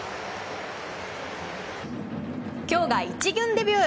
今日が１軍デビュー。